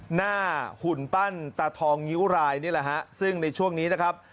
หุ่นปั้นตาทองงิ้วรายนี่แหละฮะซึ่งในช่วงนี้นะครับ